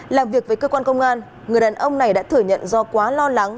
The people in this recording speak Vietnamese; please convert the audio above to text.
làm việc với cơ quan công an người đàn ông này đã thừa nhận do quá lo lắng